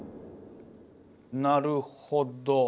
なるほど。